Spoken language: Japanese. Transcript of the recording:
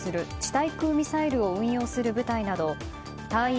対空ミサイルを運用する部隊など隊員